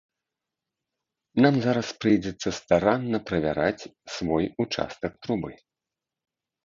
Нам зараз прыйдзецца старанна правяраць свой участак трубы.